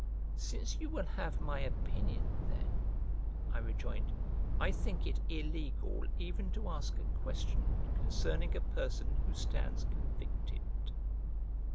"Since you will have my opinion then," I rejoined, "I think it illegal even to ask a question concerning a person who stands convicted."